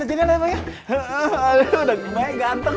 sepasang harga diri saya jatuh